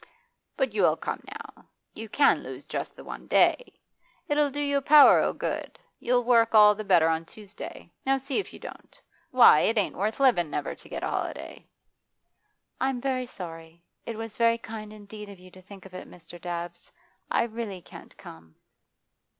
'But you will come, now? You can lose just the one day? It'll do you a power o' good. You'll work all the better on Tuesday, now see if you don't. Why, it ain't worth livin', never to get a holiday.' 'I'm very sorry. It was very kind indeed of you to think of it, Mr. Dabbs. I really can't come.